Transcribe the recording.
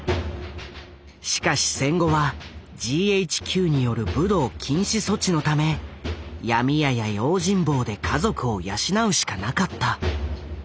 しかし戦後はＧＨＱによる武道禁止措置のため闇屋や用心棒で家族を養うしかなかった。